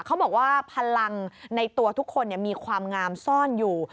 เขาบอกว่าพลังในตัวทุกคนมีความงามซ่อนอยู่